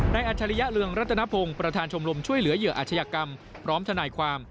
อัจฉริยะเรืองรัตนพงศ์ประธานชมรมช่วยเหลือเหยื่ออาชญากรรมพร้อมทนายความ